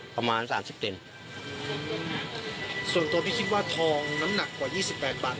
ประมาณสามสิบเซนส่วนตัวพี่คิดว่าทองน้ำหนักกว่ายี่สิบแปดบาท